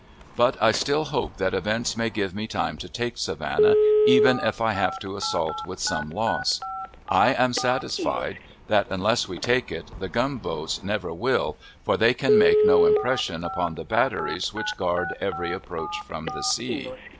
But I still hope that events will give me time to take Savannah, even if I have to assault with some loss. I am satisfied that, unless we take it, the gunboats never will, for they can make no impression upon the batteries which guard every approach from the sea.